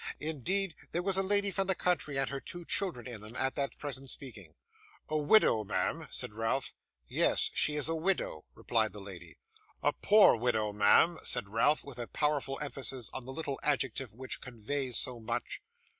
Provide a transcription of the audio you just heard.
Indeed, there was a lady from the country and her two children in them, at that present speaking. 'A widow, ma'am?' said Ralph. 'Yes, she is a widow,' replied the lady. 'A POOR widow, ma'am,' said Ralph, with a powerful emphasis on that little adjective which conveys so much.